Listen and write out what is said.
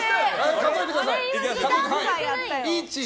数えてください。